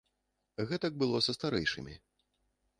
Гэтак было са старэйшымі.